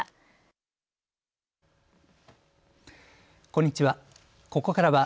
こんにちは。